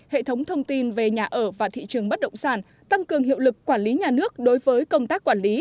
hệ thống thông tin về nhà ở và thị trường bất động sản tăng cường hiệu lực quản lý nhà nước đối với công tác quản lý